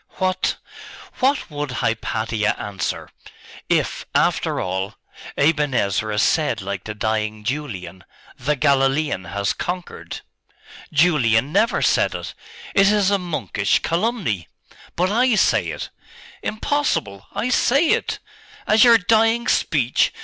'What what would Hypatia answer if, after all, Aben Ezra said like the dying Julian, "The Galilean has conquered"?' 'Julian never said it! It is a monkish calumny.' 'But I say it.' 'Impossible!' 'I say it!' 'As your dying speech?